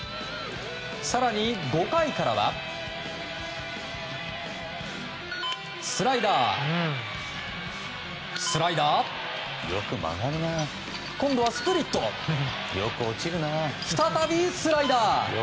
更に５回からはスライダー、スライダー今度はスプリット再び、スライダー。